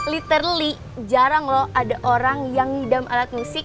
literally jarang lo ada orang yang nginam alat musik